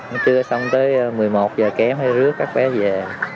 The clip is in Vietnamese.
nó chưa xong tới một mươi một h kém hay rước các bé về